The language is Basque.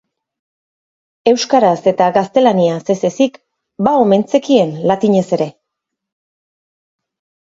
Euskaraz eta gaztelaniaz ez ezik, ba omen zekien latinez ere.